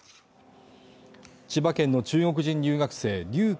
千葉県の中国人留学生劉佳